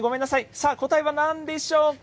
さあ、答えはなんでしょうか。